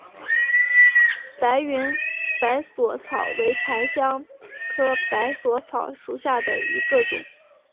白云百蕊草为檀香科百蕊草属下的一个种。